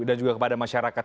dan juga kepada masyarakat